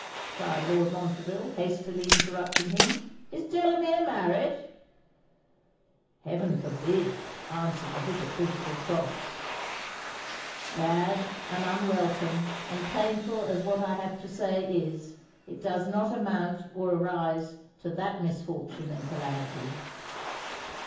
cried Lord Montreville, hastily interrupting him. 'Is Delamere married?' 'Heaven forbid!' answered the hypocritical Crofts. 'Bad, and unwelcome, and painful as what I have to say is, it does not amount or arise to that misfortune and calamity.'